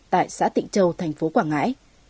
tại xã tịnh châu thành phố quảng ngãi